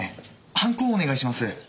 判子をお願いします。